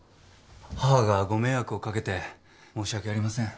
母がご迷惑をかけて申し訳ありません。